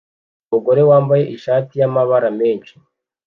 Umugore wambaye ishati y'amabara menshi